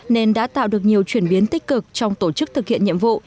nên đã tạo được nhiều chuyển biến tích cực trong tổ chức thực hiện nhiệm vụ